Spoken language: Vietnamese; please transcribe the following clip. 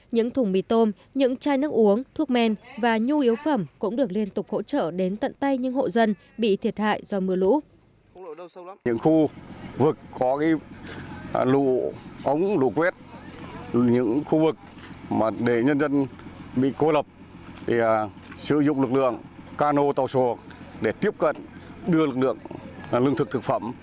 những thùng mì tôm những chai nước uống thuốc men và nhu yếu phẩm cũng được liên tục hỗ trợ đến tận tay những hộ dân bị thiệt hại do mưa lũ